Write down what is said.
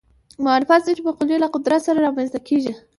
معرفت ځینې مقولې له قدرت سره رامنځته کېږي